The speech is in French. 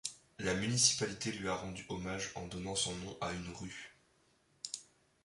La municipalité lui a rendu hommage en donnant son nom à une rue.